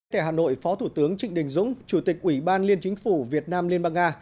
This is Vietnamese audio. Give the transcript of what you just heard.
tại hà nội phó thủ tướng trịnh đình dũng chủ tịch ủy ban liên chính phủ việt nam liên bang nga